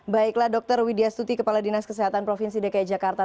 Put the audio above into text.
baiklah dr widya stuti kepala dinas kesehatan provinsi dki jakarta